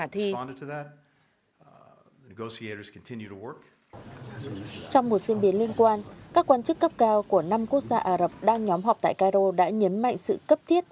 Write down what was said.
trong một diễn biến liên quan các quan chức cấp cao của năm quốc gia ả rập đang nhóm họp tại cairo đã nhấn mạnh sự cấp thiết